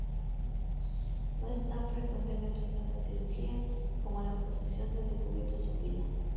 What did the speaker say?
No es tan frecuentemente usada en cirugía como la posición de Decúbito supino.